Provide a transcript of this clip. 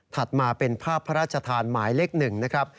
มาเป็นภาพพระราชทานหมายเลข๑นะครับ